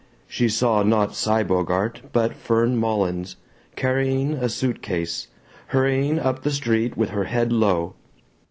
She saw not Cy Bogart but Fern Mullins, carrying a suit case, hurrying up the street with her head low.